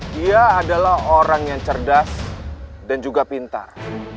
dia adalah orang yang cerdas dan juga pintar